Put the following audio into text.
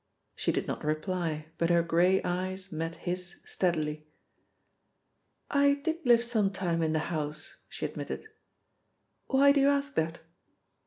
She did not reply, but her grey eyes met his steadily. "I did live some time in the house," she admitted. "Why do you ask that?"